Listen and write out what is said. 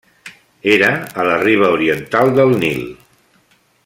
Era a la riba oriental del Nil.